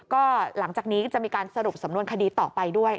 ก็หลังจากนี้ก็จะมีการสรุปสำนวนคดีต่อไปด้วย